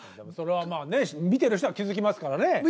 それはまあね見てる人は気付きますからね。